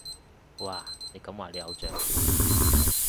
哇，你咁話你偶像？